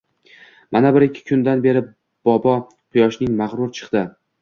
Mana bir-ikki kundan beri bobo quyoshning magʻrur chiqdi.